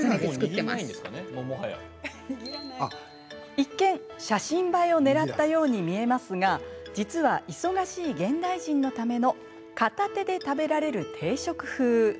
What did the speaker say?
一見、写真映えをねらったように見えますが実は忙しい現代人のための片手で食べられる定食風。